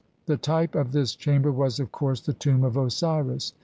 The type of this chamber was, of course, the tomb of Osiris.